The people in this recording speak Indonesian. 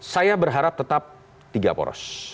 saya berharap tetap tiga poros